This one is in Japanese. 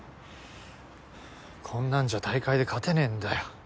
こんなんじゃ大会で勝てねえんだよ。